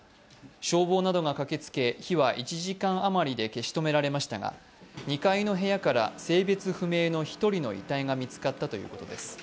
消防などが駆けつけ、火は１時間余りで消し止められましたが、２階の部屋から性別不明の１人の遺体が見つかったということです。